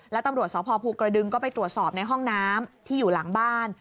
แล้วตำรวจสพภูกระดึงก็ไปตรวจสอบในห้องน้ำที่อยู่หลังบ้าน